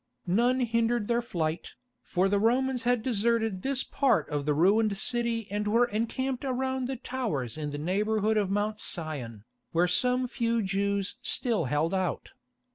None hindered their flight, for the Romans had deserted this part of the ruined city and were encamped around the towers in the neighbourhood of Mount Sion, where some few Jews still held out.